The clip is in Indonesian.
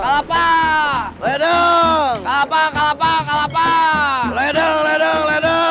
ledung ledung ledung